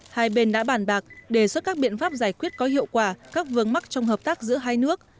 hai bên đã bàn bạc đề xuất các biện pháp giải quyết có hiệu quả các vướng mắc trong hợp tác giữa hai nước